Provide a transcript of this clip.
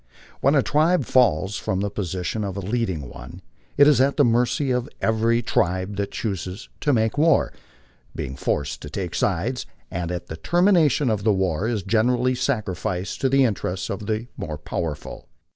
When a tribe falls from the position of a leading one, it is at the mercy of every tribe that chooses to make war, being forced to take sides, and at the termination of the war is generally sacrificed to the interests of the more powerful.